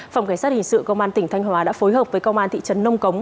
phòng cảnh sát hình sự công an tỉnh thanh hóa đã phối hợp với công an thị trấn nông cống